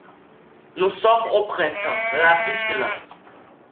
Nous sommes au printemps, la vie s’élance.